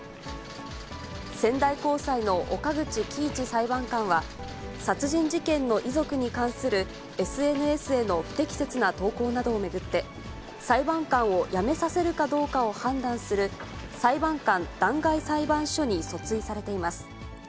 仙台高裁の岡口基一裁判官は、殺人事件の遺族に関するＳＮＳへの不適切な投稿などを巡って、裁判官を辞めさせるかどうかを判断する、裁判官弾劾裁判所に訴追されています。